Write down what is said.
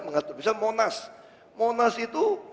mengatur bisa monas monas itu